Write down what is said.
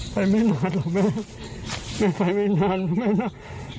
ไปไม่นานหรอกแม่แม่ไปไม่นานหรอกแม่น้า